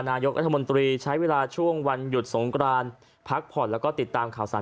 นายกรัฐมนตรีใช้เวลาช่วงวันหยุดสงกรานพักผ่อนแล้วก็ติดตามข่าวสาร